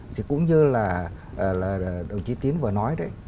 thì cũng như là đồng chí tiến vừa nói đấy